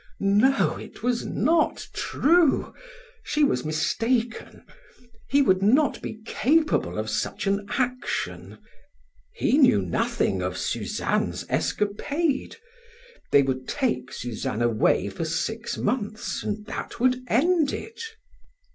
No, it was not true! She was mistaken; he would not be capable of such an action; he knew nothing of Suzanne's escapade. They would take Suzanne away for six months and that would end it.